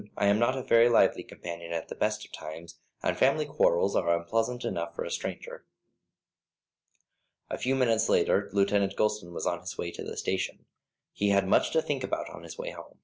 I am not a very lively companion at the best of times, and family quarrels are unpleasant enough for a stranger." A few minutes later Lieutenant Gulston was on his way to the station. He had much to think about on his way home.